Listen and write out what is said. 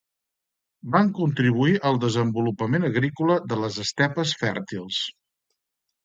Van contribuir al desenvolupament agrícola de les estepes fèrtils.